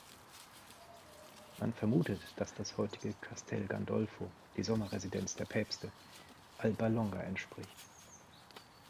Man vermutet, dass das heutige Castel Gandolfo, die Sommerresidenz der Päpste, Alba Longa entspricht.